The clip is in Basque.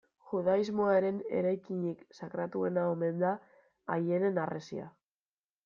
Judaismoaren eraikinik sakratuena omen da Aieneen Harresia.